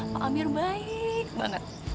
pak amir baik banget